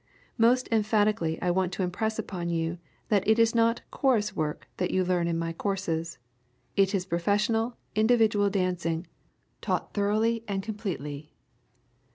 Most emphatically I want to impress upon you that it is not "chorus work" that you learn in my courses. It is professional, individual dancing, taught thoroughly and completely.